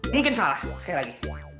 mungkin salah sekali lagi